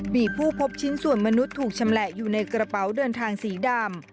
มีผู้พบชิ้นส่วนมนุษย์ถูกชำแหละอยู่ในกระเป๋าเดินทางสีดำ